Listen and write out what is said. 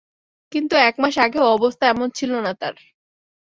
কিন্তু এক মাস আগেও অবস্থা এমন ছিল না তাঁর।